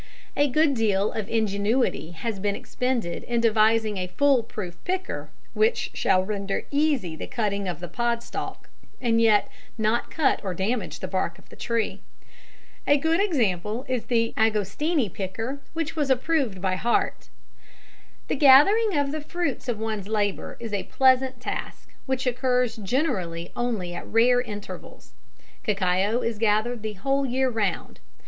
A good deal of ingenuity has been expended in devising a "foolproof" picker which shall render easy the cutting of the pod stalk and yet not cut or damage the bark of the tree. A good example is the Agostini picker, which was approved by Hart. [Illustration: (1) COMMON TYPE OF CACAO PICKER. (2) AGOSTINI CACAO PICKER.] The gathering of the fruits of one's labour is a pleasant task, which occurs generally only at rare intervals. Cacao is gathered the whole year round.